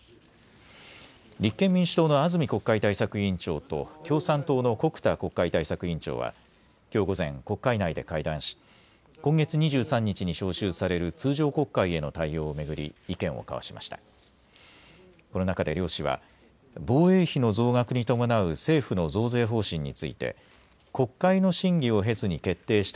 立憲民主党の安住国会対策委員長と共産党の穀田国会対策委員長はきょう午前、国会内で会談し今月２３日に召集される通常国会への対応を巡り意見を交わしました。